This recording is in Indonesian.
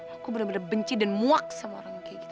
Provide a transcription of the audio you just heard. aku bener bener benci dan muak sama orang yang kayak gitu